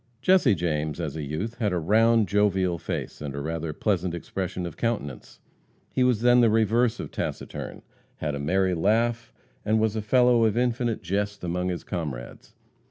Jesse James, as a youth, had a round jovial face, and rather a pleasant expression of countenance. He was then the reverse of taciturn; had a merry laugh, and was "a fellow of infinite jest" among his comrades.